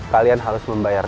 kalian harus membayar